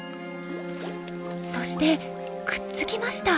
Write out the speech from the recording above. そしてくっつきました。